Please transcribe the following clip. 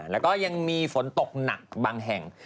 แล้วก็ยังมีฝนตกหนักบางแห่ง